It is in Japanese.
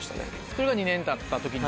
それが２年たった時に。